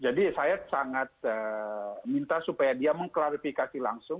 jadi saya sangat minta supaya dia mengklarifikasi langsung